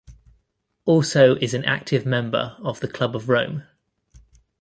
Also is an active member of the Club of Rome.